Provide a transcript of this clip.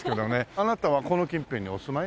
あなたはこの近辺にお住まい？